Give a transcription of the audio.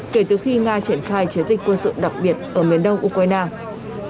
kể từ khi nga triển khai chiến dịch quân sự đặc biệt ở miền đông ukraine